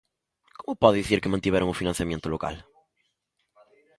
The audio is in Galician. ¿Como pode dicir que mantiveron o financiamento local?